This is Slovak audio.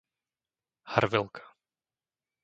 Harvelka